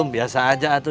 kum biasa aja atul